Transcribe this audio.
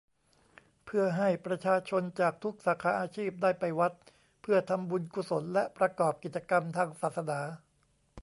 เพื่อให้ประชาชนจากทุกสาขาอาชีพได้ไปวัด เพื่อทำบุญกุศลและประกอบกิจกรรมทางศาสนา